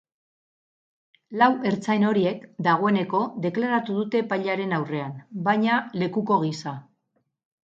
Lau ertzain horiek dagoeneko deklaratu dute epailearen aurrean, baina lekuko gisa.